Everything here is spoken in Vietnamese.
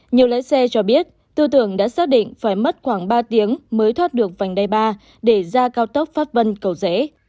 nhiều lễ xe cho biết tư tưởng đã xác định phải mất khoảng ba tiếng mới thoát được vành đê ba để ra cao tốc pháp vân cầu dễ